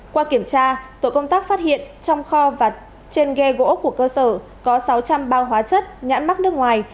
qua kiểm tra tổ công tác phát hiện trong kho và trên ghe gỗ của cơ sở có sáu trăm linh bao hóa chất nhãn mắc nước ngoài